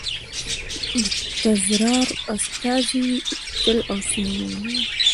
د تزار استازي یې ووژل او سیمې یې ونیولې.